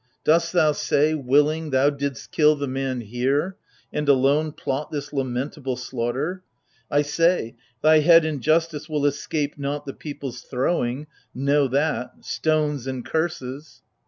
Dost thou say — willing, thou didst kill the man here, And, alone, plot this lamentable slaughter ? I say — thy head in justice will escape not The people's throwing — know that !— stones and curses